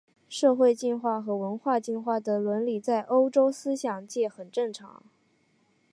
社会进化和文化进化的理论在欧洲思想界很常见。